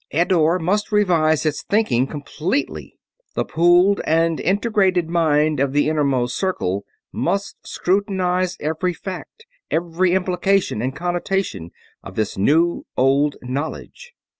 Eddore must revise its thinking completely; the pooled and integrated mind of the Innermost Circle must scrutinize every fact, every implication and connotation, of this new old knowledge.